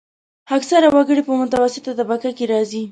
اکثره وګړي په متوسطه طبقه کې راځي.